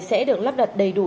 sẽ được lắp đặt đầy đủ